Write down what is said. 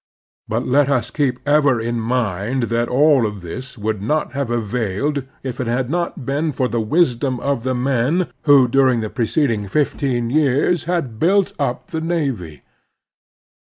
But let us also keep ever in mind that all of this would not have availed if it had not been for the wisdom of the men who during the pre ceding fifteen years had built up the navy.